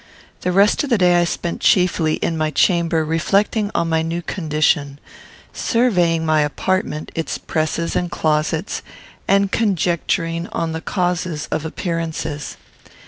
The rest of the day I spent chiefly in my chamber, reflecting on my new condition; surveying my apartment, its presses and closets; and conjecturing the causes of appearances.